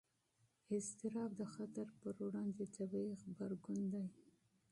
اضطراب د خطر پر وړاندې طبیعي غبرګون دی.